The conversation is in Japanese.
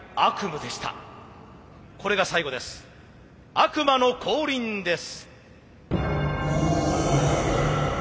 悪魔の降臨です。